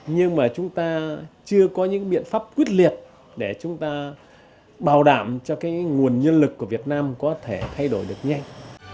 nhưng mà chúng ta chưa có những biện pháp quyết liệt để chúng ta bảo đảm cho nguồn nhân lực của việt nam có thể thay đổi được nhanh